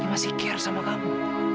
yang masih kira sama kamu